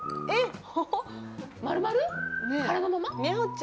えっ？